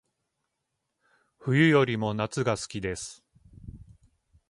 冬よりも夏が好きです